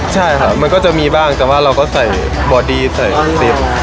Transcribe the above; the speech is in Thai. ใช่ค่ะมันก็จะมีบ้างแต่ว่าเราก็ใส่บอดี้ใส่เซฟตี้อยู่